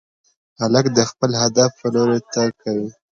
هلک د خپل هدف په لور تګ کوي.